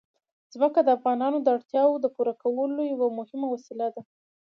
ځمکه د افغانانو د اړتیاوو د پوره کولو یوه مهمه وسیله ده.